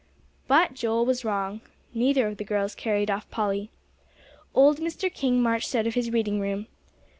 But Joel was wrong. Neither of the girls carried off Polly. Old Mr. King marched out of his reading room.